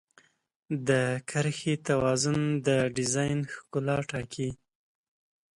د کرښې توازن د ډیزاین ښکلا ټاکي.